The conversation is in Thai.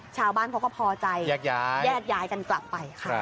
ชาวบ้านเขาก็พอใจแยกย้ายกันกลับไปค่ะ